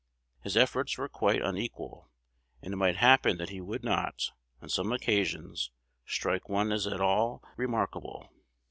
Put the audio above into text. His efforts were quite unequal; and it might happen that he would not, on some occasions, strike one as at all remarkable.